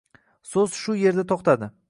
So'z shu yer da to'xtadi.